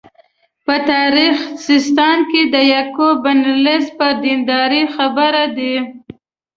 په تاریخ سیستان کې د یعقوب بن لیث پر دینداري خبرې دي.